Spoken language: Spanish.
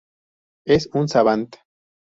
Es un savant.